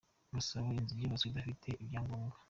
Gasabo Inzu yubatswe idafite ibyangobwa